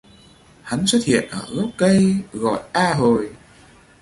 Hắn xuất hiện ở gốc cây gọi a hồi